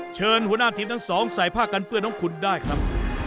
เชิญหัวหน้าทีมทั้งสองใส่ผ้ากันเปื้อนของคุณได้ครับ